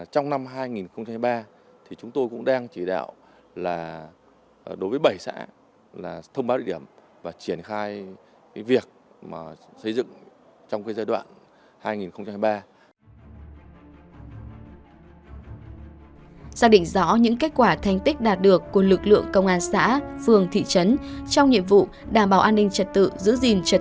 trong năm hai nghìn hai mươi ba chúng tôi cũng đang chỉ đạo đối với bảy xã thông báo địa điểm